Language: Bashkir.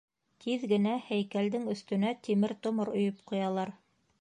Тиҙ генә һәйкәлдең өҫтөнә тимер-томор өйөп ҡуялар.